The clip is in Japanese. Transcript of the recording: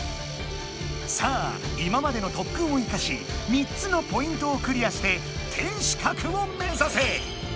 さあ今までの特訓を生かし３つのポイントをクリアして天守閣を目指せ！